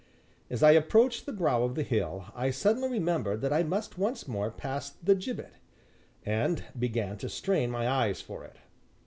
As I approached the brow of the hill, I suddenly remembered that I must once more pass the gibbet, and began to strain my eyes for it.